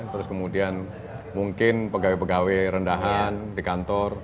terus kemudian mungkin pegawai pegawai rendahan di kantor